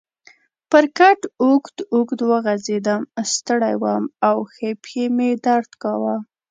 پر کټ اوږد اوږد وغځېدم، ستړی وم او ښۍ پښې مې درد کاوه.